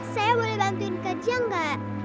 saya boleh bantuin kerja gak